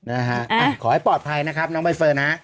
นะฮะขอให้ปลอดภัยนะครับน้องใบเฟิร์นนะ